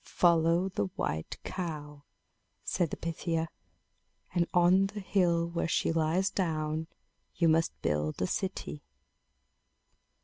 "Follow the white cow," said the Pythia; "and on the hill where she lies down, you must build a city."